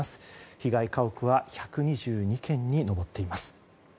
被害家屋は１２２軒に上っています。